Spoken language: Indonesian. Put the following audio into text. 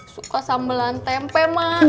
suka sambelan tempe